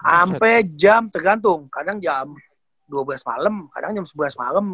ampe jam tergantung kadang jam dua belas malem kadang jam sebelas malem